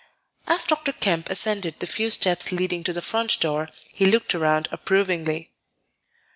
As Dr. Kemp ascended the few steps leading to the front door, he looked around approvingly.